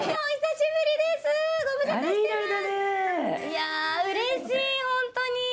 いやうれしいホントに。